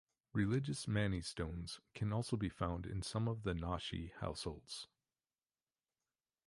Religious Mani stones can also be found in some of the Nashi households.